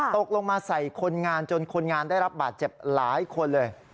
ตกลงมาใส่คนงานจนคนงานได้รับบาดเจ็บหลายคนเลย